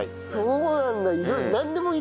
そうなんだ。